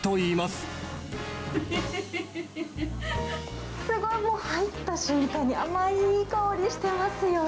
すごいもう入った瞬間に、甘いいい香りしてますよ。